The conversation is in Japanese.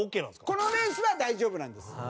このレースは大丈夫なんです。